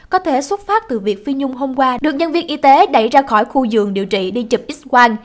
có thể xuất phát từ việc phi nhung hôm qua được nhân viên y tế đẩy ra khỏi khu giường điều trị đi chụp x quang